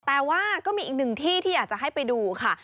แต่ว่าก็มีอีกหนึ่งที่ที่อยากจะให้ไปดูค่ะ